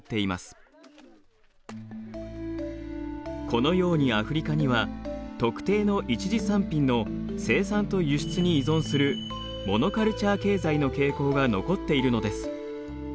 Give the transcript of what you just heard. このようにアフリカには特定の一次産品の生産と輸出に依存するモノカルチャー経済の傾向が残っているのです。